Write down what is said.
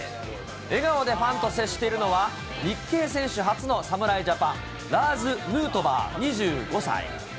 笑顔でファンと接しているのは、日系選手初の侍ジャパン、ラーズ・ヌートバー２５歳。